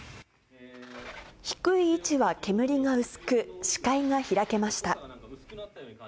低い位置は煙が薄く、視界が開けました。